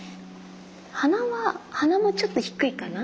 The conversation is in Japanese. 鼻は鼻もちょっと低いかな？